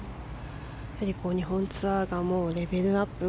日本ツアーがレベルアップ